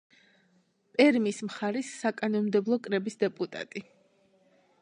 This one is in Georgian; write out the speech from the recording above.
პერმის მხარის საკანონმდებლო კრების დეპუტატი.